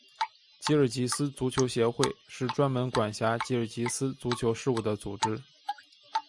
吉尔吉斯足球协会是专门管辖吉尔吉斯足球事务的组织。